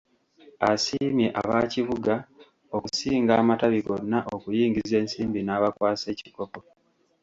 Asiimye aba Kibuga okusinga amatabi gonna okuyingiza ensimbi n'abakwasa ekikopo.